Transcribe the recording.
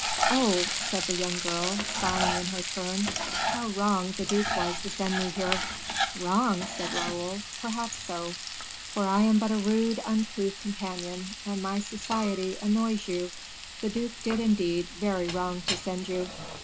"Oh!" said the young girl, sighing in her turn, "how wrong the duke was to send me here!" "Wrong!" said Raoul, "perhaps so; for I am but a rude, uncouth companion, and my society annoys you. The duke did, indeed, very wrong to send you."